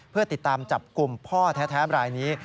เพื่อติดตามจับกลุ่มพ่อแท้บรายนี้